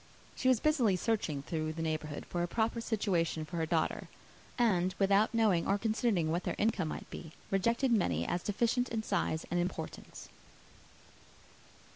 She was busily searching through the neighbourhood for a proper situation for her daughter; and, without knowing or considering what their income might be, rejected many as deficient in size and importance.